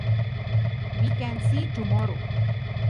We can see tomorrow.